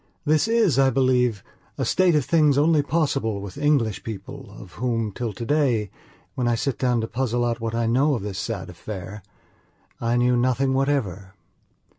This is, I believe, a state of things only possible with English people of whom, till today, when I sit down to puzzle out what I know of this sad affair, I knew nothing whatever.